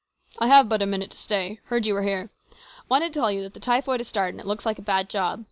" I have but a minute to stay. Heard you were here. Wanted to tell you that the typhoid has started, and looks like a bad job.